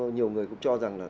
nhiều người cũng cho rằng là